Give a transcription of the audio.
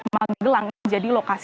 manggelang menjadi lokasi